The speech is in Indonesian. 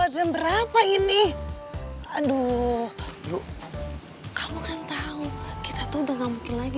gimana semuanya udah ready belum